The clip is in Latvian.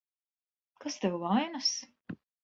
Kas tev vainas?